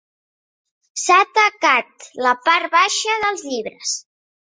S'ha tacat la part baixa dels llibres.